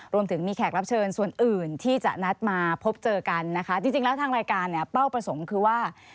รวมถึงมีแขกรับเชิญส่วนอื่นที่จะนัดมาพบเจอกันนะคะจริงแล้วทางรายการเนี่ยเป้าประสงค์คือว่า